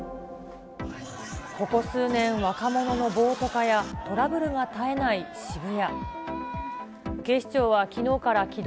ここ数年、若者の暴徒化や、トラブルが絶えない渋谷。